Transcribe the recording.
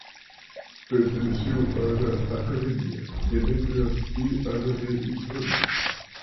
Perteneció a la Academia de Letras y a la de Historia.